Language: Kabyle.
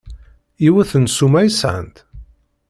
Yiwet n ssuma i sɛant?